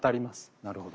なるほど。